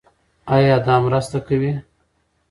ایا دا مرسته کوي؟